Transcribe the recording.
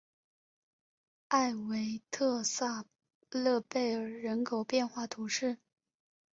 埃韦特萨勒贝尔人口变化图示